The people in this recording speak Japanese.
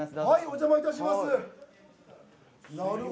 お邪魔いたします。